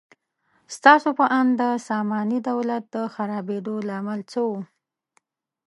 ستاسو په اند د ساماني دولت د خرابېدو لامل څه و؟